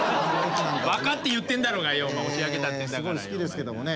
分かって言ってんだろうがよお前押し上げたってんだからよ。